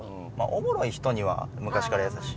おもろい人には昔から優しい。